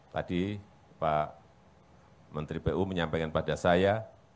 tadi pak menteri pu menyampaikan pada saya